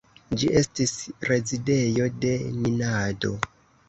Ĝi estis rezidejo de minado.